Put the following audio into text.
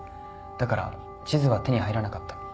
だから地図は手に入らなかった。